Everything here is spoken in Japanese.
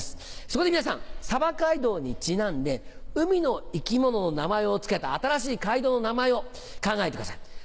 そこで皆さん鯖街道にちなんで海の生き物の名前を付けた新しい街道の名前を考えてください。